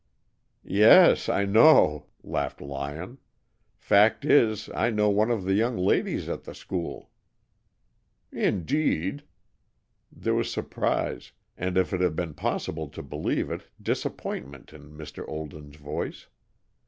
"Yes, I know," laughed Lyon. "Fact is, I know one of the young ladies at the school." "Indeed?" There was surprise and, if it had been possible to believe it, disappointment in Mr. Olden's voice.